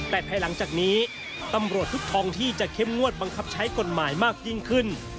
แต่ภายหลังจากนี้ตำรวจทุกทองที่จะเข้มงวดบังคับใช้กฎหมายมากยิ่งขึ้น